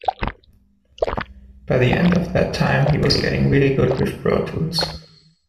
By the end of that time he was getting really good with Pro-Tools.